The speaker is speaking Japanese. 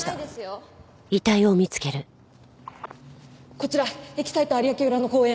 こちらエキサイト有明裏の公園。